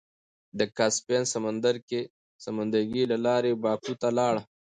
د کاسپين سمندرګي له لارې باکو ته لاړ.